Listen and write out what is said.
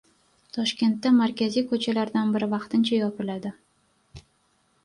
Toshkentda markaziy ko‘chalardan biri vaqtincha yopiladi